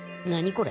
これ。